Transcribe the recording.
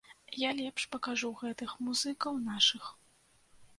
Я лепш пакажу гэтых музыкаў, нашых.